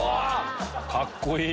カッコいい！